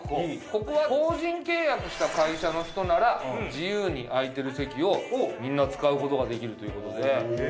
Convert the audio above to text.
ここは法人契約した会社の人なら自由に空いてる席をみんな使うことができるということで。